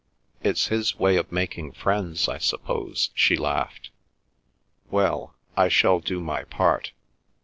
"It's his way of making friends, I suppose," she laughed. "Well—I shall do my part.